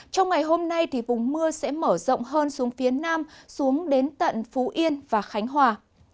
trong ngày hôm nay vùng mưa sẽ mở rộng hơn xuống phía nam xuống đến tận phú yên và khánh hòa